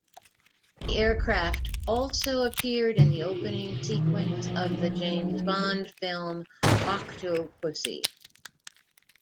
The aircraft also appeared in the opening sequence of the James Bond film "Octopussy".